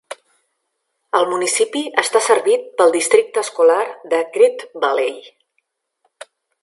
El municipi està servit pel Districte Escolar de Great Valley.